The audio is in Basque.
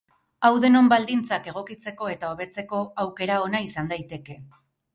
Hau denon baldintzak egokitzeko eta hobetzeko aukera ona izan daiteke.